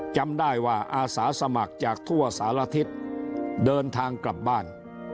จำได้ว่าอาสาสมัครจากทั่วสารทิศเดินทางกลับบ้าน